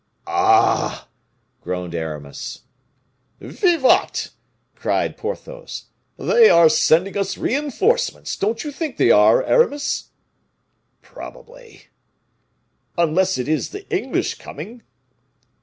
"Ah!" groaned Aramis. "Vivat!" cried Porthos, "they are sending us reinforcements, don't you think they are, Aramis?" "Probably." "Unless it is the English coming."